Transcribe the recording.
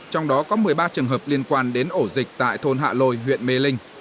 trong đó có một mươi ba trường hợp liên quan đến ổ dịch tại thôn hạ lôi huyện mê linh